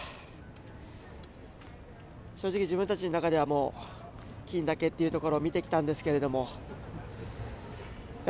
正直、自分たちの中では金だけというのを見てきたんですけれども。